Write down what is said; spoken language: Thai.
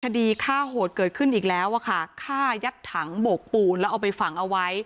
คดีฆ่าโหดเกิดขึ้นอีกแล้วอะค่ะฆ่ายัดถังโบกปูนแล้วเอาไปฝังเอาไว้